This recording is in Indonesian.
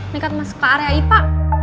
minggat masuk ke area ipa